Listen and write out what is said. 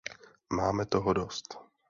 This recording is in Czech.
Máme toho dost.